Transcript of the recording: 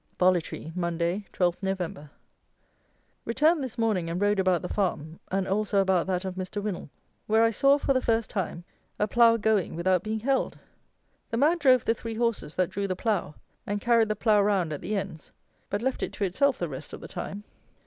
Bollitree, Monday, 12 Nov. Returned this morning and rode about the farm, and also about that of Mr. WINNAL, where I saw, for the first time, a plough going without being held. The man drove the three horses that drew the plough, and carried the plough round at the ends; but left it to itself the rest of the time.